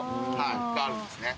あるんですね。